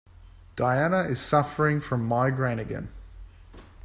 Diana is suffering from migraine again.